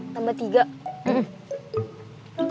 empat tambah tiga